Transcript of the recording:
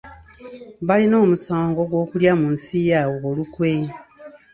Balina omusango gw’okulya mu nsi yaabwe olukwe.